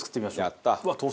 やった！